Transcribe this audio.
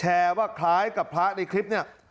นะครับซึ่งเป็นพระที่ชาวเน็ต